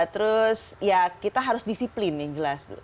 terus ya kita harus disiplin yang jelas dulu